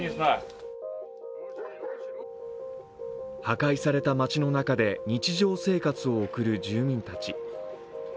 破壊された街の中で日常生活を送る住民たち。